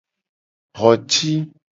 Xo ci.